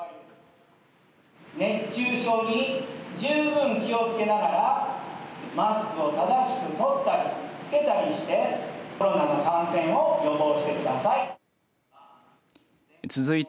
熱中症に十分気をつけながらマスクを正しく取ったりつけたりしてコロナの感染を予防してください。